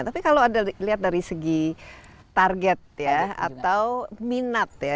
tapi kalau dilihat dari segi target atau minat ya